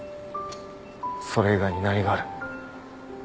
それ以外に何がある。